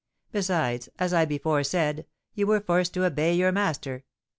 Besides, as I before said, you were forced to obey your master.